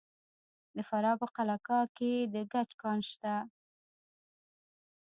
د فراه په قلعه کاه کې د ګچ کان شته.